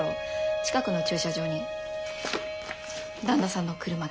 近くの駐車場に旦那さんの車が。